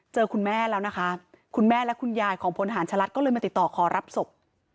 คุณแม่แล้วนะคะคุณแม่และคุณยายของพลฐานชะลัดก็เลยมาติดต่อขอรับศพ